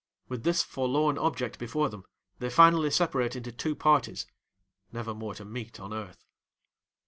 With this forlorn object before them, they finally separate into two parties—never more to meet on earth.